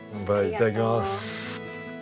いただきます。